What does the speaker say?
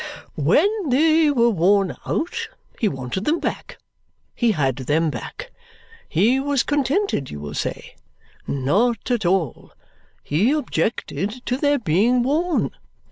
When they were worn out, he wanted them back. He had them back. He was contented, you will say. Not at all. He objected to their being worn.